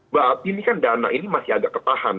berarti ini kan dana ini masih agak ketahan